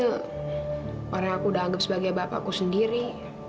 orang yang aku udah anggap sebagai bapakku sendiri